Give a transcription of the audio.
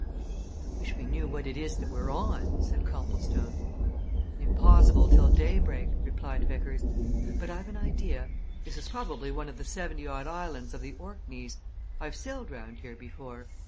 "I wish we knew what it is that we're on!" said Copplestone. "Impossible till daybreak," replied Vickers. "But I've an idea this is probably one of the seventy odd islands of the Orkneys: I've sailed round here before.